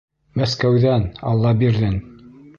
Мәскәүҙән, Аллабирҙин!